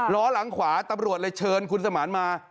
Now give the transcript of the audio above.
ล้อหลังขวาตำรวจเลยเชิญคุณสมานมา